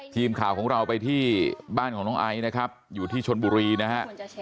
ทีมข่าวของเราไปที่บ้านของน้องไอซ์นะครับอยู่ที่ชนบุรีนะฮะ